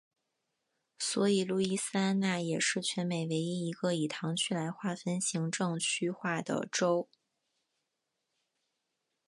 所以路易斯安那也是全美唯一一个以堂区来划分行政区划的州。